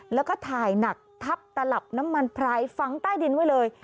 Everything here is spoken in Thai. แล้วก็ถ่ายหนักทับตลับน้ำมันพรายฝังใต้ดินไว้เลย